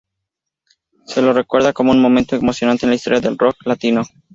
Se lo recuerda como un momento emocionante en la historia del rock latino.